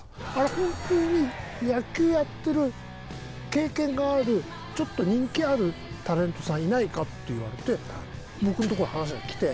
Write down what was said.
本当に野球やってる経験があるちょっと人気あるタレントさんいないか？って言われて僕のところに話がきて。